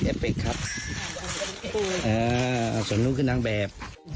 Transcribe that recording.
เออฝ่ายผลิตเอฟเฟคครับเออส่วนนู้นคือนางแบบ